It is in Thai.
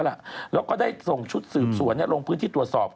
แล้วก็ได้ส่งชุดสืบสวนลงพื้นที่ตรวจสอบ